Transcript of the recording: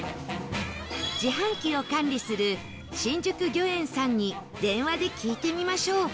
自販機を管理する新宿餃苑さんに電話で聞いてみましょう